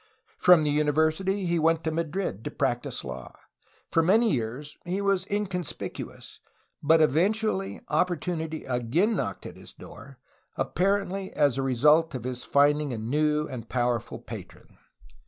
From the uni versity he went to Madrid to practice law. For many years he was inconspicuous, but eventually opportunity again knocked at his door, apparently as a result of his finding a new and powerful patron.